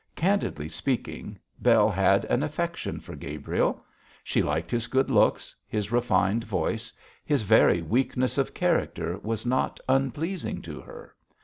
Candidly speaking, Bell had an affection for Gabriel. She liked his good looks, his refined voice, his very weakness of character was not unpleasing to her.